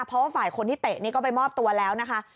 เพราะว่าฝ่ายคนที่เตะนี่ก็ไปมอบตัวแล้วนะคะ